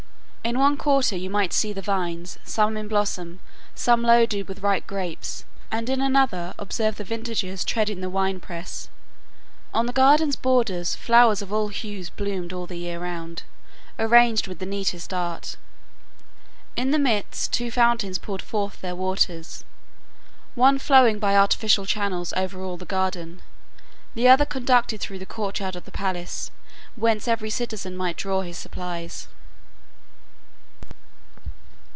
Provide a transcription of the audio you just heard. In one quarter you might see the vines, some in blossom, some loaded with ripe grapes, and in another observe the vintagers treading the wine press. On the garden's borders flowers of all hues bloomed all the year round, arranged with neatest art. In the midst two fountains poured forth their waters, one flowing by artificial channels over all the garden, the other conducted through the courtyard of the palace, whence every citizen might draw his supplies.